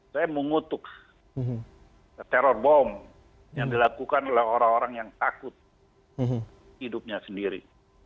saya mengutuk teror bom yang dilakukan oleh orang orang yang takut hidupnya sendiri